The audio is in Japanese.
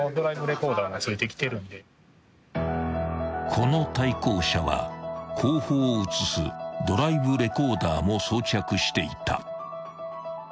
［この対向車は後方を写すドライブレコーダーも装着していた］